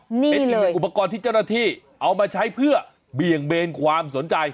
เป็นอีกหนึ่งอุปกรณ์ที่เจ้าหน้าที่เอามาใช้เพื่อเบี่ยงเบนความสนใจ